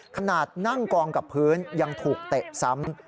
ขนาดนั่งกองกับพื้นยังถูกเตะซ้ำ